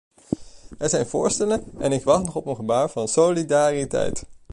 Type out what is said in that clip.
Er zijn voorstellen, en ik wacht nog op een gebaar van solidariteit.